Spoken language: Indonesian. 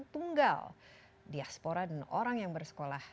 tunggal diaspora dan orang yang bersekolah